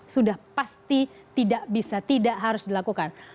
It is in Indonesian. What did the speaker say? sudah pasti tidak bisa tidak harus dilakukan